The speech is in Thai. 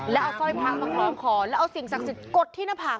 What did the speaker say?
แล้วเอาสร้อยพระมาคล้องคอแล้วเอาสิ่งศักดิ์สิทธิกดที่หน้าผาก